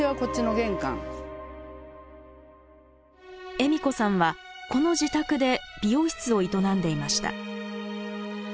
栄美子さんはこの自宅で美容室を営んでいました。